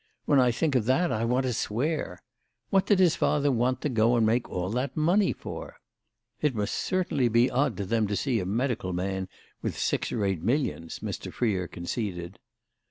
When I think of that I want to swear. What did his father want to go and make all that money for?" "It must certainly be odd to them to see a 'medical man' with six or eight millions," Mr. Freer conceded.